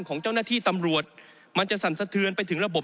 ของเจ้าหน้าที่ตำรวจมันจะสั่นสะเทือนไปถึงระบบ